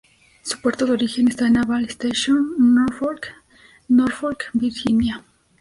Su puerto de origen esta en Naval Station Norfolk, Norfolk, Virginia.